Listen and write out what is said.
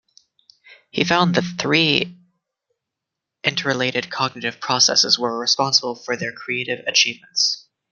He found that three interrelated cognitive processes were responsible for their creative achievements.